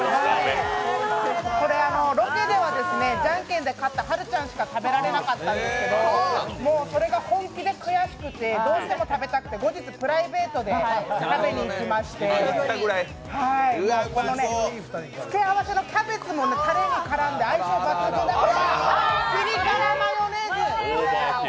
これ、ロケではじゃんけんで勝ったはるちゃんしか食べられなかったんですけどそれが本気で悔しくて、どうしても食べたくて後日プライベートで食べに行きまして、つけ合わせのキャベツもたれに絡んで相性抜群です。